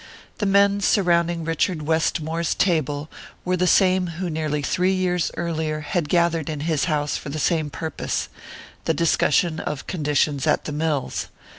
The men surrounding Richard Westmore's table were the same who nearly three years earlier had gathered in his house for the same purpose: the discussion of conditions at the mills.